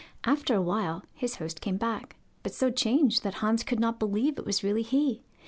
After awhile his host came back, but so changed that Hans could not believe it was really he.